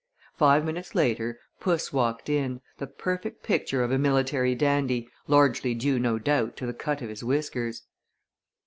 Five minutes later puss walked in, the perfect picture of a military dandy, largely due no doubt to the cut of his whiskers.